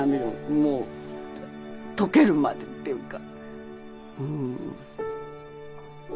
もう溶けるまでっていうか。